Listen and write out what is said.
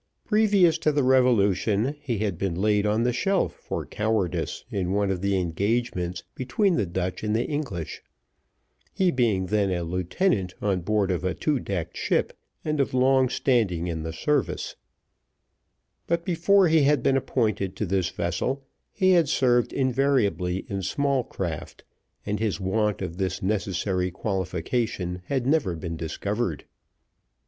Previous to the revolution he had been laid on the shelf for cowardice in one of the engagements between the Dutch and the English, he being then a lieutenant on board of a two decked ship, and of long standing in the service; but before he had been appointed to this vessel, he had served invariably in small craft, and his want of this necessary qualification had never been discovered.